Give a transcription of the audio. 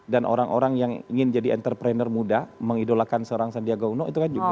dan orang orang yang ingin jadi entrepreneur muda mengidolakan seorang sandi egan itu kan juga